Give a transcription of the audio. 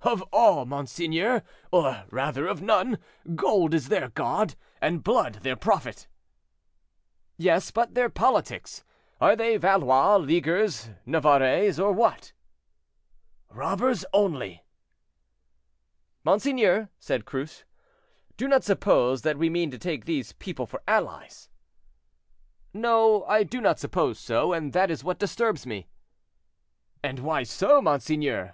"Of all, monseigneur; or, rather, of none; gold is their god, and blood their prophet." "Yes; but their politics? Are they Valois, Leaguers, Navarrais, or what?" "Robbers only." "Monseigneur," said Cruce, "do not suppose that we mean to take these people for allies!" "No, I do not suppose so; and that is what disturbs me." "And why so, monseigneur?"